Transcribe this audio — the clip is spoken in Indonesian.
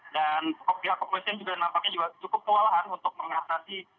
dan pihak kepolisian juga nampaknya cukup kewalahan untuk menghastasi